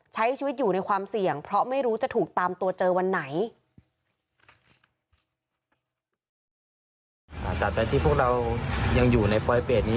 ใช้ชีวิตอยู่ในความเสี่ยงเพราะไม่รู้จะถูกตามตัวเจอวันไหน